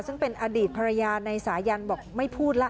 ซึ่งเป็นอดีตภรรยาในสายันบอกไม่พูดละ